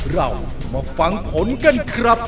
เรามาฟังผลกันครับ